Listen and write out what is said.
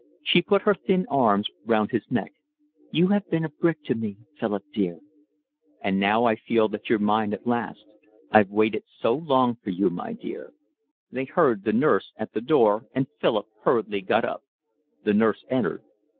She put her thin arms round his neck. "You have been a brick to me, Phil dear." "Now I feel that you're mine at last. I've waited so long for you, my dear." They heard the nurse at the door, and Philip hurriedly got up. The nurse entered.